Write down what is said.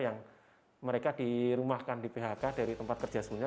yang mereka dirumahkan di phk dari tempat kerja sebelumnya